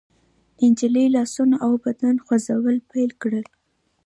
نجلۍ لاسونه او بدن خوځول پيل کړل.